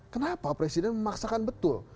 kenapa presiden memaksakan betul